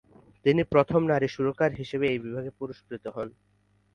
তিনি প্রথম নারী সুরকার হিসেবে এই বিভাগে পুরস্কৃত হন।